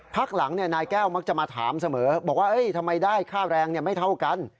พักหลังนายแก้วมักจะมาถามเสมอบอกว่าทำไมได้ค่าแรงไม่เท่ากัน